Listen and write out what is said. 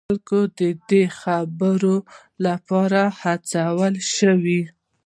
خلک دې د خبرو لپاره هڅول شي.